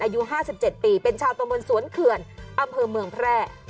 อายุ๕๗ปีเป็นชาวตะมนต์สวนเขื่อนอำเภอเมืองแพร่